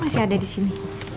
masih ada di sini